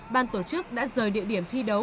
ban tổ chức đã rời địa điểm thi đấu